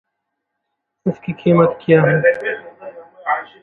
اس کی قیمت کیا ہے؟